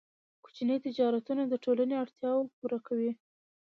کوچني تجارتونه د ټولنې اړتیاوې پوره کوي.